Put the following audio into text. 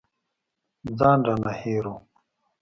ځان رانه هېر و.